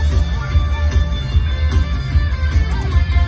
สวัสดีครับ